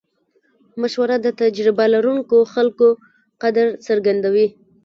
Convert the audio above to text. مشوره د تجربه لرونکو خلکو قدر څرګندوي.